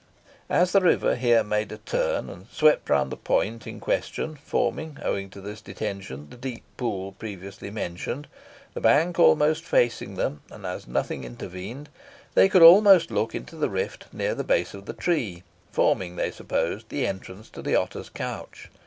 As the river here made a turn, and swept round the point in question, forming, owing to this detention, the deep pool previously mentioned, the bank almost faced them, and, as nothing intervened, they could almost look into the rift near the base of the tree, forming, they supposed, the entrance to the otter's couch.